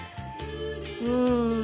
うん。